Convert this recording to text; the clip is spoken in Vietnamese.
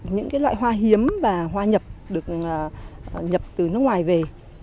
những loại hoa hiếm và hoa nhập được nhập từ nước ngoài về